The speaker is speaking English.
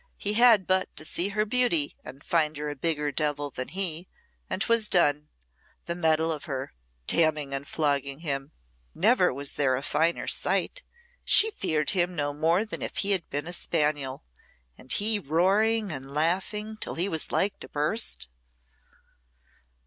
"He had but to see her beauty and find her a bigger devil than he, and 'twas done. The mettle of her damning and flogging him! Never was there a finer sight! She feared him no more than if he had been a spaniel and he roaring and laughing till he was like to burst."